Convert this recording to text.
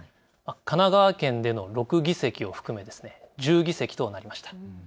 神奈川県での６議席を含め１０議席となりました。